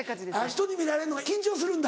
人に見られるのが緊張するんだ？